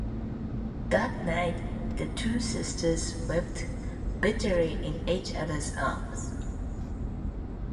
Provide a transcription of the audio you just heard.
That night, the two sisters wept bitterly in each other's arms.